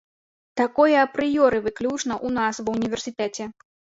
Такое апрыёры выключана ў нас ва ўніверсітэце.